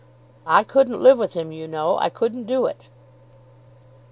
"I couldn't live with him, you know. I couldn't do it."